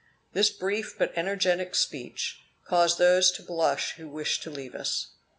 This brief, but energetic speech, caused those to blush who wished to leave us.